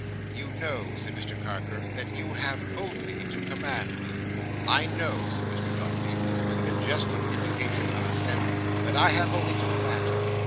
"You know," said Mr Carker, "that you have only to command me." "I know," said Mr Dombey, with a majestic indication of assent, "that I have only to command you.